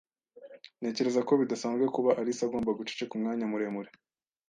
Ntekereza ko bidasanzwe kuba Alice agomba guceceka umwanya muremure.